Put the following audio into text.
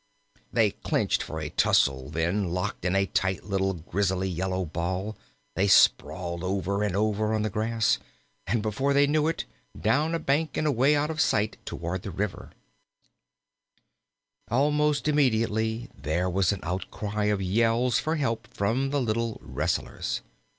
They clenched for a tussle; then, locked in a tight, little grizzly yellow ball, they sprawled over and over on the grass, and, before they knew it, down a bank, and away out of sight toward the river. Almost immediately there was an outcry of yells for help from the little wrestlers.